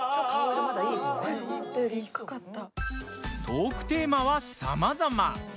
トークテーマは、さまざま。